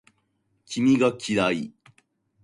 君が嫌い